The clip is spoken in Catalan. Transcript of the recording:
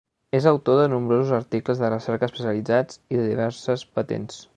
És autor de nombrosos articles de recerca especialitzats i de diverses patents.